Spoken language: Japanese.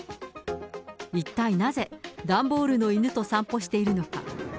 一体なぜ、段ボールの犬と散歩しているのか。